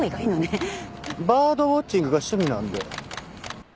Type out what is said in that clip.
バードウォッチングが趣味なんで。